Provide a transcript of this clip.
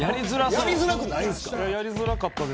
やりづらくないですか。